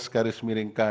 empat belas garis miringkan